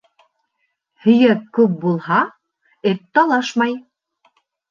Һөйәк күп булһа, эт талашмай.